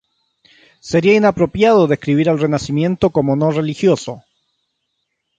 Sería inapropiado describir al Renacimiento como no religioso.